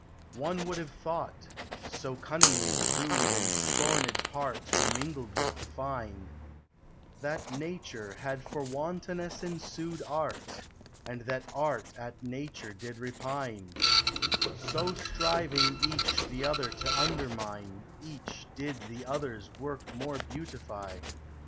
One would have thought (so cunningly the rude And scorned partes were mingled with the fine) That Xature had for wantonesse ensude * Art, and that Art at Nature did repine ; So striving each th' other to undermine, Each did the others worke more beautify ;* followed, imitated. MYTHICAL: LEGENDARY.